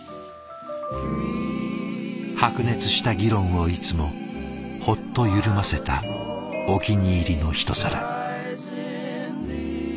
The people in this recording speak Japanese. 白熱した議論をいつもホッと緩ませたお気に入りのひと皿。